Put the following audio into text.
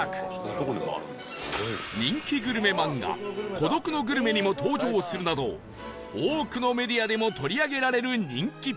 人気グルメ漫画『孤独のグルメ』にも登場するなど多くのメディアでも取り上げられる人気っぷり